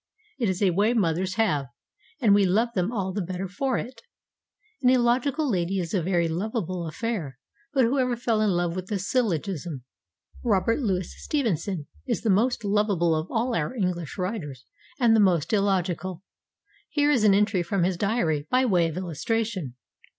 It is a way mothers have, and we love them all the better for it. An illogical lady is a very lovable affair; but who ever fell in love with a syllogism? Robert Louis Stevenson is the most lovable of all our English writers, and the most illogical. Here is an entry from his diary, by way of illustration.